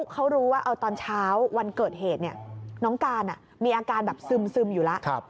เขารู้ว่าตอนเช้าวันเกิดเหตุน้องการมีอาการแบบซึมอยู่แล้ว